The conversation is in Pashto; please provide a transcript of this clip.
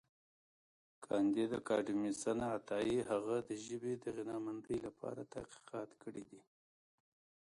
کانديد اکاډميسن عطايي هغه د ژبې د غنامندۍ لپاره تحقیقات کړي دي.